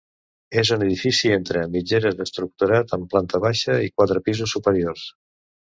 És un edifici entre mitgeres estructurat en planta baixa i quatre pisos superiors.